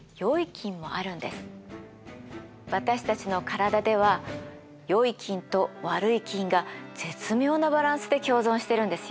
私たちの体ではよい菌と悪い菌が絶妙なバランスで共存してるんですよ。